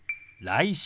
「来週」。